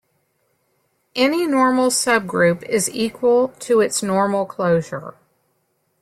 Any normal subgroup is equal to its normal closure.